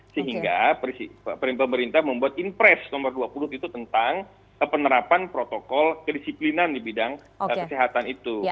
sehingga pemerintah membuat impres nomor dua puluh itu tentang penerapan protokol kedisiplinan di bidang kesehatan itu